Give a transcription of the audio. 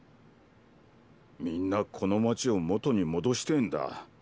みんなこの街を元に戻してえんだ。